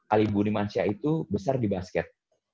ali budi mansyah itu besar di basket